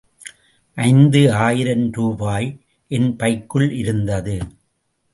ஐந்து ஆயிரம் ரூபாய் என் பைக்குள் இருந்தது.